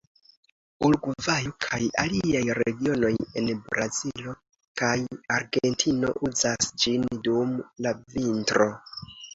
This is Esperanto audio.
Urugvajo, kaj aliaj regionoj en Brazilo kaj Argentino uzas ĝin dum la vintro.